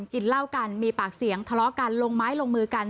กินเหล้ากันมีปากเสียงทะเลาะกันลงไม้ลงมือกัน